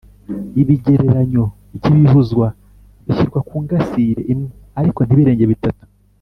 ibigereranyo by’ibibuzwa bishyirwa ku ngasire imwe ariko ntibirenge bitatu